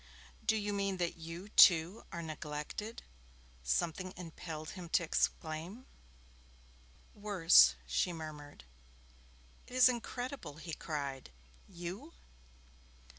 'Do you mean that you, too, are neglected?' something impelled him to exclaim. 'Worse,' she murmured. 'It is incredible!' he cried. 'You!'